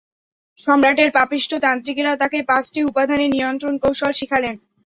সম্রাটের পাপিষ্ঠ তান্ত্রিকেরা তাকে পাঁচটি উপাদানের নিয়ন্ত্রণ কৌশল শেখালেন!